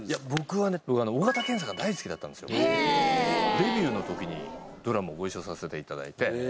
デビューの時にドラマご一緒させて頂いて。